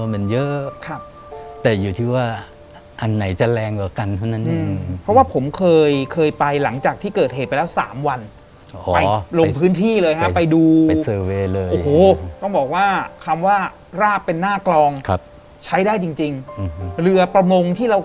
ไม่บ่นก็ปรากฏว่าเราก็เลยเดินลงไป